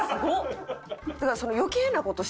だから。